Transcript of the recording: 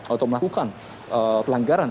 untuk melakukan pelanggaran